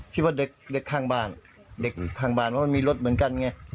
คิดว่าเด็กข้างบ้านเด็กข้างบ้านเพราะมันมีรถเหมือนกันไง